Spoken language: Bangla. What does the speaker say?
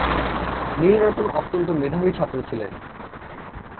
নীলরতন অত্যন্ত মেধাবী ছাত্র ছিলেন।